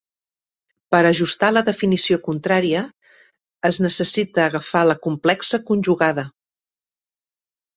Per ajustar la definició contrària, es necessita agafar la complexa conjugada.